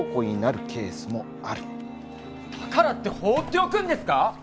だからって放っておくんですか！？